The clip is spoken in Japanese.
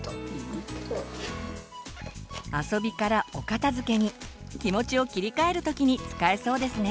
遊びからお片づけに気持ちを切り替える時に使えそうですね。